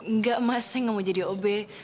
nggak mas saya nggak mau jadi ob